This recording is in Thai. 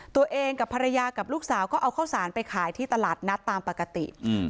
ตัวเองกับภรรยากับลูกสาวก็เอาข้าวสารไปขายที่ตลาดนัดตามปกติ